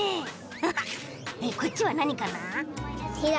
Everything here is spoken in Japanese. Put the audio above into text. ハハッこっちはなにかな？